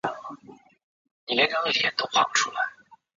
乔治湖著名于它的水位变化。